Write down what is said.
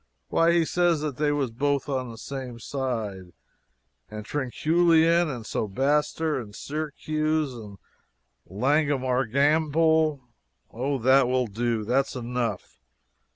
Why, he says that they was both on the same side, and Trinculian, and Sobaster, and Syraccus, and Langomarganbl " "Oh, that will do that's enough.